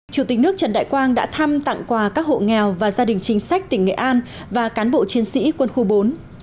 chủ tịch nước trần đại quang đã thăm tặng quà các hộ nghèo và gia đình chính sách tỉnh nghệ an và cán bộ chiến sĩ quân khu bốn